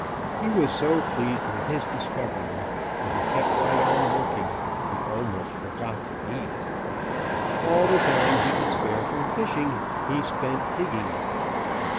He was so pleased with his discovery that he kept right on working. He almost forgot to eat. All the time he could spare from fishing, he spent digging.